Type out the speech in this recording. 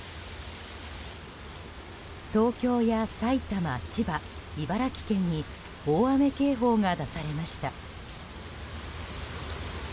東京や埼玉、千葉、茨城県に大雨警報が出されました。